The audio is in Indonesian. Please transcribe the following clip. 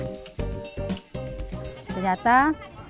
senjata makanan ini adalah makanan yang terbaik untuk menjajah sekaligus